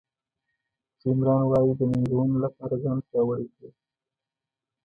جیم ران وایي د ننګونو لپاره ځان پیاوړی کړئ.